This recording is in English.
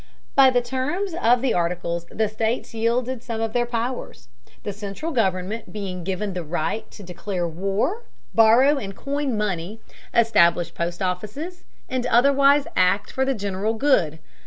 By the terms of the Articles the states yielded some of their powers, the central government being given the right to declare war, borrow and coin money, establish post offices, and otherwise act for the general good.